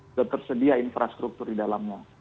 sudah tersedia infrastruktur di dalamnya